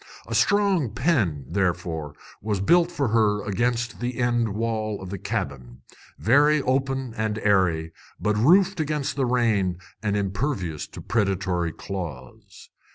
A strong pen, therefore, was built for her against the end wall of the cabin, very open and airy, but roofed against the rain and impervious to predatory claws.